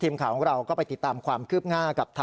ทีมข่าวของเราก็ไปติดตามความคืบง่ากับทางพุมกับนะครับ